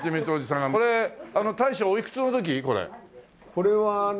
これはね。